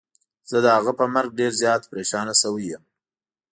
زه د هغه په مرګ ډير زيات پريشانه سوی يم.